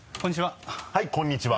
こんにちは。